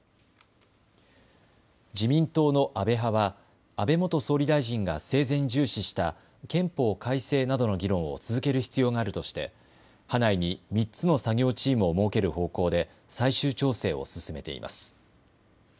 自民党の安倍派は安倍元総理大臣が生前重視した憲法改正などの議論を続ける必要があるとして派内に３つの作業チームを設ける方向で最終調整を進めています。